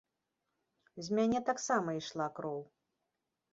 З мяне таксама ішла кроў.